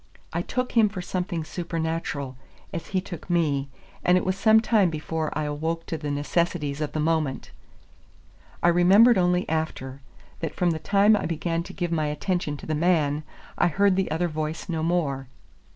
I took him for something supernatural, as he took me, and it was some time before I awoke to the necessities of the moment. I remembered only after, that from the time I began to give my attention to the man, I heard the other voice no more.